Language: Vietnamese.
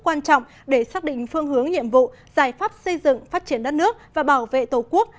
quan trọng để xác định phương hướng nhiệm vụ giải pháp xây dựng phát triển đất nước và bảo vệ tổ quốc